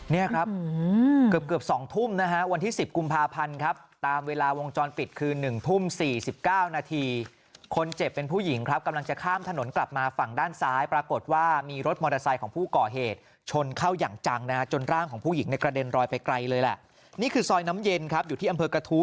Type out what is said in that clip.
เนี่ยครับเกือบเกือบ๒ทุ่มนะฮะวันที่๑๐กุมภาพันธ์ครับตามเวลาวงจรปิดคือ๑ทุ่ม๔๙นาทีคนเจ็บเป็นผู้หญิงครับกำลังจะข้ามถนนกลับมาฝั่งด้านซ้ายปรากฏว่ามีรถมอเตอร์ไซค์ของผู้ก่อเหตุชนเข้าอย่างจังนะฮะจนร่างของผู้หญิงในกระเด็นรอยไปไกลเลยแหละนี่คือซอยน้ำเย็นครับอยู่ที่อำเภอกระทู้